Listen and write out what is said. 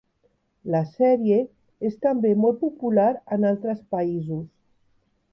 La sèrie és també molt popular en altres països.